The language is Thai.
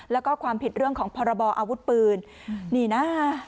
แล้วก็ความผิดเรื่องของพรบออาวุธปืนนี่นะ